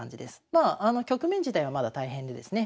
まあ局面自体はまだ大変でですね